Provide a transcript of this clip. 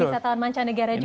wisata mancanegara juga ya pak